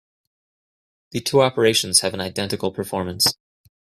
The two operations have an identical performance.